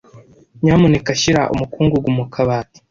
Nyamuneka shyira umukungugu mu kabati.